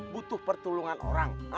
butuh pertolongan orang